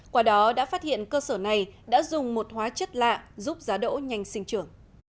qua đó đã phát hiện cơ sở này đã dùng một hóa chất lạ giúp giá đỗ nhanh sinh trưởng